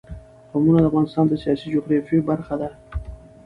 قومونه د افغانستان د سیاسي جغرافیه برخه ده.